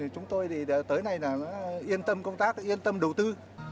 chúng tôi tới nay yên tâm công tác yên tâm đầu tư